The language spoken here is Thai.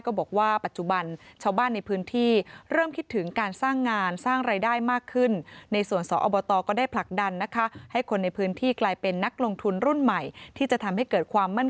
ก็บอกว่าปัจจุบันชาวบ้านในพื้นที่